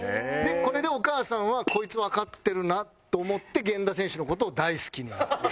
これでお母さんはこいつわかってるなと思って源田選手の事を大好きに。